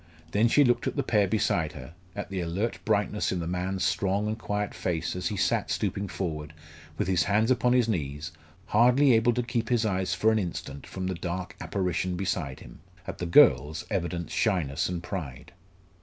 Then she looked at the pair beside her at the alert brightness in the man's strong and quiet face as he sat stooping forward, with his hands upon his knees, hardly able to keep his eyes for an instant from the dark apparition beside him at the girl's evident shyness and pride.